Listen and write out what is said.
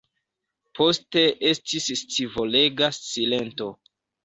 Poste estis scivolega silento.